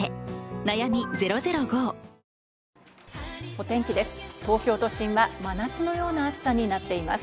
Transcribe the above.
お天気です。